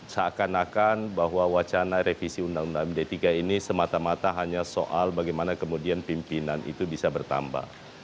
seakan akan bahwa wacana revisi undang undang md tiga ini semata mata hanya soal bagaimana kemudian pimpinan itu bisa bertambah